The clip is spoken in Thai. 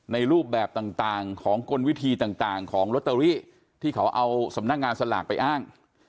รูปแบบต่างของกลวิธีต่างของลอตเตอรี่ที่เขาเอาสำนักงานสลากไปอ้าง